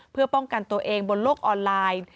เพื่อป้องกันตัวเองบนโลกออนไลน์